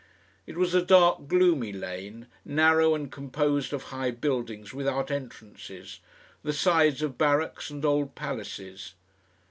It was a dark gloomy lane, narrow, and composed of high buildings without entrances, the sides of barracks and old palaces.